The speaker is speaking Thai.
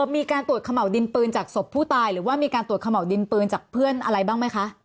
มีการตรวจเขม่าวดินปืนจากศพผู้ตายหรือว่ามีการตรวจเขม่าวดินปืนจากเพื่อนอะไรบ้างไหมคะ